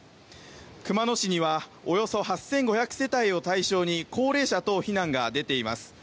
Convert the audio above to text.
熊野市にはおよそ８５００世帯を対象に高齢者等避難が出ています。